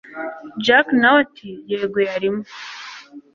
jakc nawe ati yegoyarimo